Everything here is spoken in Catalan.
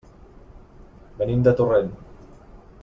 Venim de Torrent.